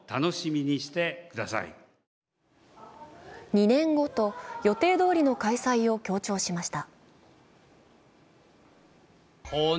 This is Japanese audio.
２年後と予定どおりの開催を強調しました。